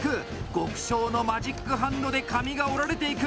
極小のマジックハンドで紙が折られていく。